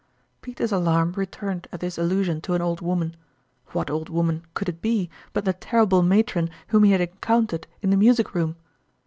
. Peter's alarm returned at this allusion to an old woman ; what old woman could it be but the terrible matron whom he had encountered in the music room